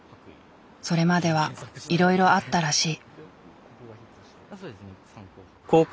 それまではいろいろあったらしい。